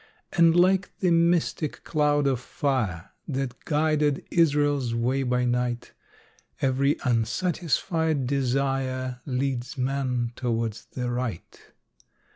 And like the mystic cloud of fire That guided Israel's way by night, Every unsatisfied desire Leads man towards the right.